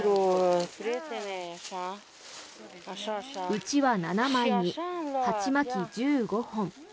うちわ７枚に、鉢巻き１５本。